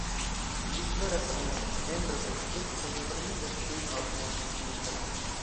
Ĝi floras en septembro kaj fruktoj formiĝas dum aŭ post vintro.